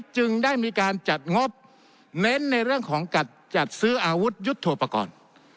จึงได้มีการจัดงบเน้นในเรื่องของการจัดซื้ออาวุธยุทธโปรกรณ์